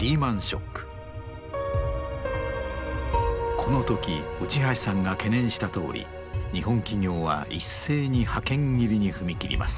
この時内橋さんが懸念したとおり日本企業は一斉に派遣切りに踏み切ります。